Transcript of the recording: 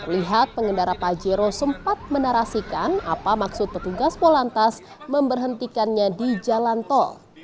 lihat pengendara pajero sempat menarasikan apa maksud petugas polantas memberhentikannya di jalan tol